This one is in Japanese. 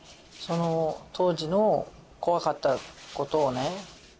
その当時の怖かったことをね